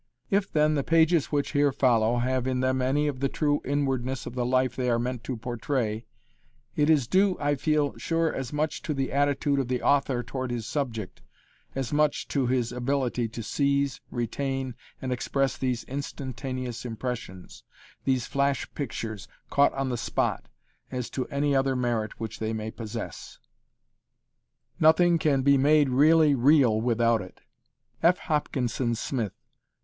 If then the pages which here follow have in them any of the true inwardness of the life they are meant to portray, it is due, I feel sure, as much to the attitude of the author toward his subject, as much to his ability to seize, retain, and express these instantaneous impressions, these flash pictures caught on the spot, as to any other merit which they may possess. Nothing can be made really real without it. F. HOPKINSON SMITH.